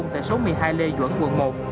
tại số một mươi hai lê duẩn quận một